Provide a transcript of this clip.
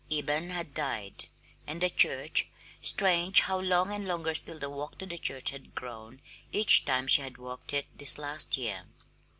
Eben had died; and the church strange how long and longer still the walk to the church had grown each time she had walked it this last year!